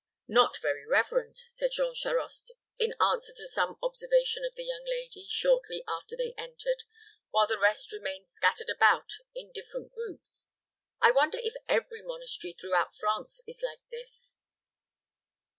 "Not very reverend," said Jean Charost, in answer to some observation of the young lady, shortly after they entered, while the rest remained scattered about in different groups. "I wonder if every monastery throughout France is like this."